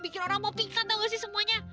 bikin orang mau pingsan tau gak sih semuanya